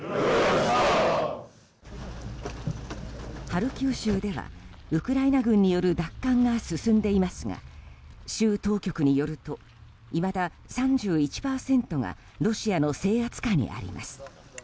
ハルキウ州ではウクライナ軍による奪還が進んでいますが州当局によると、いまだ３１％がロシアの制圧下にあります。